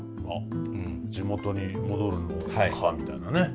地元に戻るのかみたいなね。